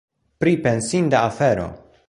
Pripensinda afero!